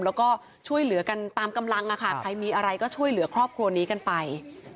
แล้วก็ช่วยเหลือกันตามกำลังใครมีอะไรก็ช่วยเหลือครอบครัวนี้กันไป